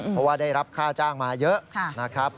เพราะว่าได้รับค่าจ้างมาเยอะนะครับ